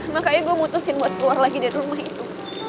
makanya gue mutusin buat keluar lagi dari rumah itu